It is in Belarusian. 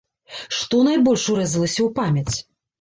Што найбольш урэзалася ў памяць?